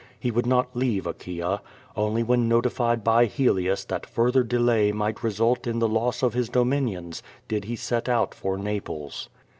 He would not leave Achiva. Only when notified by Helius that further delay migi^.t result in the loss of his dominions did he set out for Napl es.